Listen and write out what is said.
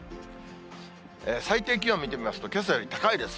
最低気温見てみますと、けさより高いです。